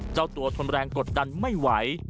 เจ้าตัวทนแรงกดดันไม่ไหว